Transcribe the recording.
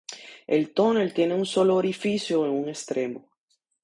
El tonel tiene un solo orificio en un extremo.